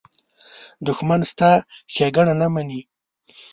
دښمن ستا ښېګڼه نه مني